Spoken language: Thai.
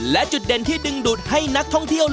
และจุดเด่นที่ดึงดูดให้นักท่องเที่ยว